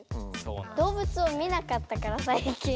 動物を見なかったからさいきん。